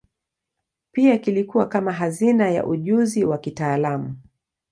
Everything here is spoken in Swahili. Pia kilikuwa kama hazina ya ujuzi wa kitaalamu.